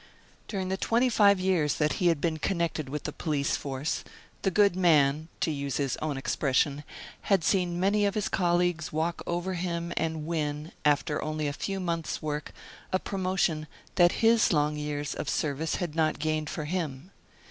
During the twenty five years that he had been connected with the police force, the good man to use his own expression had seen many of his colleagues walk over him and win, after only a few months' work, a promotion that his long years of service had not gained for him.